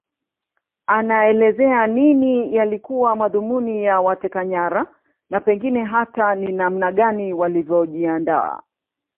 Anaelezea nini yalikuwa madhumuni ya wateka nyara na pengine hata ni namna gani walivyojiandaa